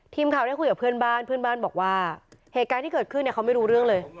ทีมข่าวได้คุยกับเพื่อนบ้านเพื่อนบ้านบอกว่าเหตุการณ์ที่เกิดขึ้นเนี่ยเขาไม่รู้เรื่องเลย